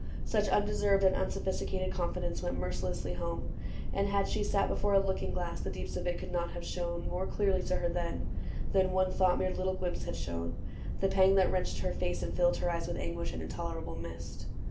Such undeserved And unsophisticated confidence Went mercilessly home ; and had she sat Before a looking glass, the deeps of it Could not have shown more clearly to her then Than one thought mirrored little glimpse had shown, The pang that wrenched her face and filled her eyes With anguish and intolerable mist.